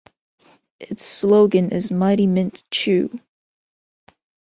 Its slogan is 'Mighty Mint Chew'.